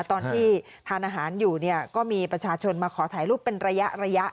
ตอนที่ทานอาหารอยู่เนี่ยก็มีประชาชนมาขอถ่ายรูปเป็นระยะ